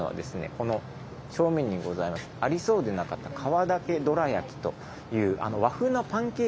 この正面にございますありそうでなかった「皮だけどら焼き」という和風のパンケーキ。